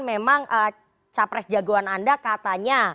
memang capres jagoan anda katanya